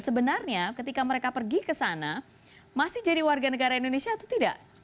sebenarnya ketika mereka pergi ke sana masih jadi warga negara indonesia atau tidak